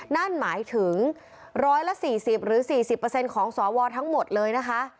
นั่นหมายถึง๑๔๐หรือ๔๐ของสวทั้งหมดเลยนะคะ